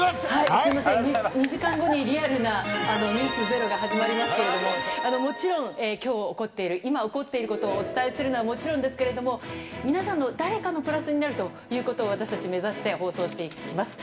すみません、２時間後に、リアルなｎｅｗｓｚｅｒｏが始まりますけれども、もちろん、きょう起こっている、今起こっていることをお伝えするのはもちろんですけれども、皆さんの誰かのプラスになるということを、私たち目指して放送しています。